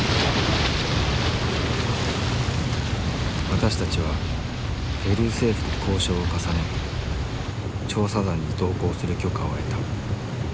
私たちはペルー政府と交渉を重ね調査団に同行する許可を得た。